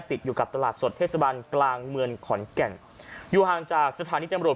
ติดอยู่กับตลาดสดเทศบาลกลางเมืองขอนแก่นอยู่ห่างจากสถานีจำรว